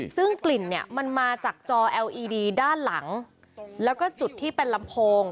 ซึ่งกลิ่นเนี่ยมันมาจากจอเอลอีดีด้านหลังแล้วก็จุดที่เป็นลำโพง